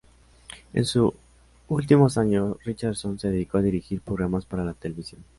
En su últimos años, Richardson se dedicó a dirigir programas para la televisión.